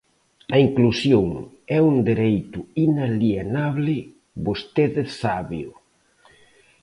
A inclusión é un dereito inalienable, vostede sábeo.